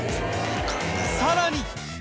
さらに！